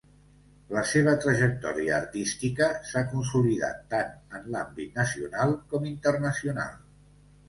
La seva trajectòria artística s'ha consolidat tant en l'àmbit nacional com internacional.